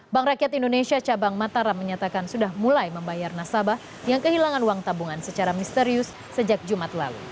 bank rakyat indonesia cabang mataram menyatakan sudah mulai membayar nasabah yang kehilangan uang tabungan secara misterius sejak jumat lalu